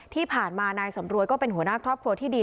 ที่ผ่านมานายสำรวยก็เป็นหัวหน้าครอบครัวที่ดี